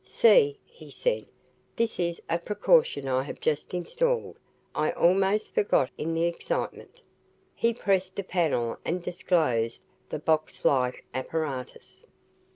"See," he said, "this is a precaution I have just installed. I almost forgot in the excitement." He pressed a panel and disclosed the box like apparatus.